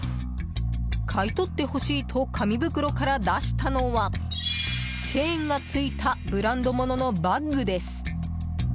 買い取ってほしいと紙袋から出したのはチェーンが付いたブランド物のバッグです。